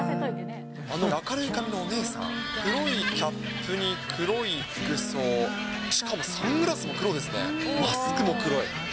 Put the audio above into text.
あの明るい髪のお姉さん、黒いキャップに黒い服装、しかもサングラスも黒ですね、マスクも黒い。